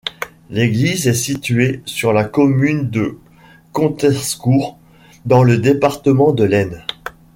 L'église est située sur la commune de Contescourt, dans le département de l'Aisne.